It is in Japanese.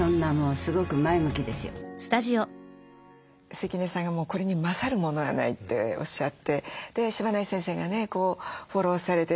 関根さんがこれに勝るものはないっておっしゃってで柴内先生がねフォローされて。